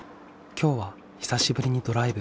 今日は久しぶりにドライブ。